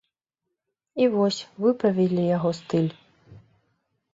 І вось выправілі яго стыль.